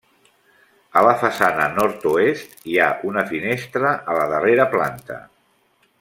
A la façana nord-oest hi ha una finestra a la darrera planta.